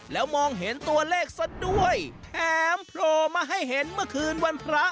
แล้วมองเห็นตัวเลขซะด้วยแถมโผล่มาให้เห็นเมื่อคืนวันพระ